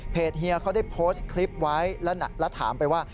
เฮียเขาได้โพสต์คลิปไว้แล้วถามไปว่า